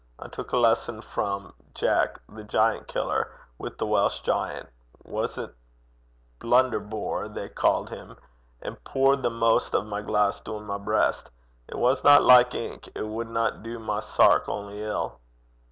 I took a lesson frae Jeck the giant killer, wi' the Welsh giant was 't Blunderbore they ca'd him? an' poored the maist o' my glaiss doon my breist. It wasna like ink; it wadna du my sark ony ill.'